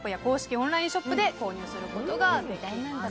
オンラインショップで購入することができます。